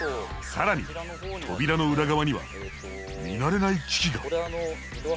更に扉の裏側には見慣れない機器が。